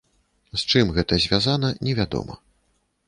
З чым гэта звязана, невядома.